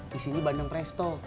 disini bandeng presto